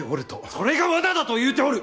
それが罠だと言うておる！